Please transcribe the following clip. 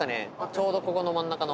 ちょうどここの真ん中の。